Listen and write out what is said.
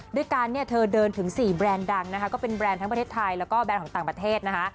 ด้วยกันเนี่ยเธอเดินถึง๔แบรนด์ดังนะคะก็เป็นแบรนด์ทั้งประเทศไทยแล้วก็แบรนด์ของต่างประเทศนะคะ